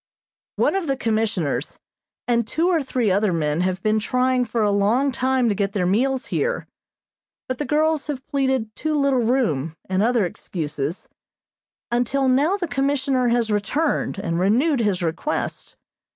One of the Commissioners and two or three other men have been trying for a long time to get their meals here, but the girls have pleaded too little room, and other excuses, until now the Commissioner has returned, and renewed his requests.